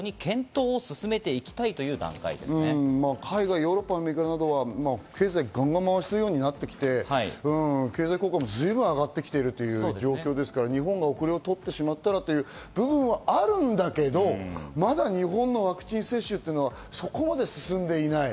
ヨーロッパ、アメリカなどは経済ガンガン回すようになってきて経済効果も随分上がってきているという状況ですから、日本が遅れをとってしまったらという部分はあるんだけど、まだ日本のワクチン接種はそこまで進んでいない。